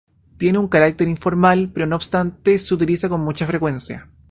Tiene un carácter informal; no obstante, se utiliza con mucha frecuencia.